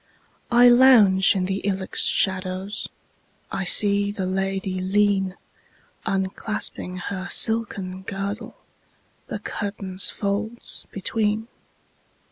I lounge in the ilex shadows,I see the lady lean, Unclasping her silken girdle, The curtain's folds between.